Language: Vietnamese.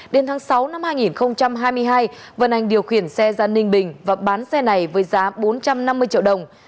đến tháng sáu năm hai nghìn hai mươi hai vân anh điều khiển xe ra ninh bình và bán xe này với giá bốn trăm năm mươi triệu đồng